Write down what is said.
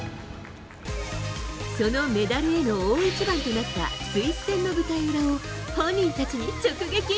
そのメダルへの大一番となったスイス戦の舞台裏を本人たちに直撃。